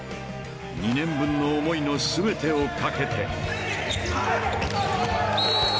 ［２年分の思いの全てを懸けて］